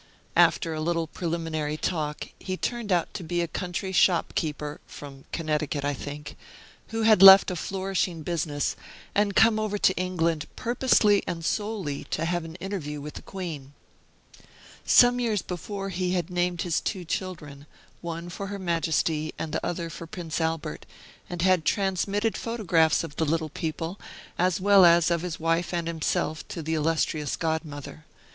After a little preliminary talk, he turned out to be a country shopkeeper (from Connecticut, I think), who had left a flourishing business, and come over to England purposely and solely to have an interview with the Queen. Some years before he had named his two children, one for her Majesty and the other for Prince Albert, and had transmitted photographs of the little people, as well as of his wife and himself, to the illustrious godmother.